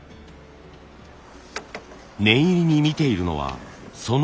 念入りに見ているのはその木目。